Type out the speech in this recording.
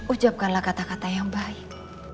ucapkanlah kata kata yang baik